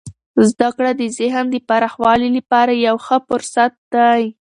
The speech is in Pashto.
زده کړه د ذهن د پراخوالي لپاره یو ښه فرصت دی.